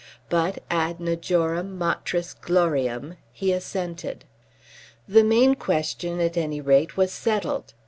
But, ad majorem matris gloriam, he assented. The main question, at any rate, was settled.